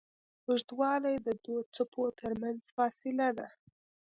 اوږدوالی د دوو څپو تر منځ فاصله ده.